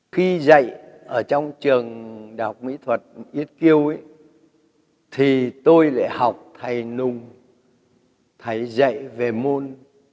khi dạy ở trong trường đại học mỹ thuật ít kiêu thì tôi lại học thầy nùng thầy dạy về môn